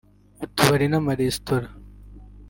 utubari n’amaresitora